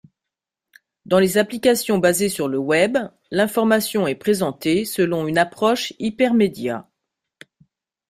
Dans les applications basées sur le Web, l'information est présentée selon une approche hypermédia.